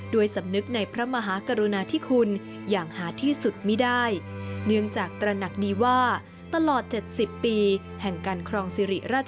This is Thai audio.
สำนึกในพระมหากรุณาธิคุณอย่างหาที่สุดไม่ได้